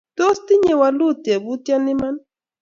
Tos tinye walut tebutyoni iman ii?